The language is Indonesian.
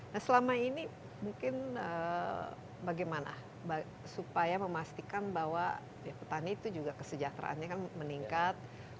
nah selama ini mungkin bagaimana supaya memastikan bahwa petani itu juga kesejahteraannya kan meningkat